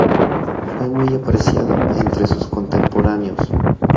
Fue muy apreciado entre sus contemporáneos.